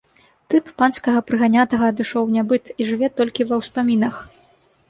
Тып панскага прыганятага адышоў у нябыт і жыве толькі ва ўспамінах.